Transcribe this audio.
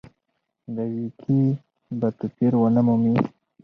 دا وییکې به توپیر ونه مومي.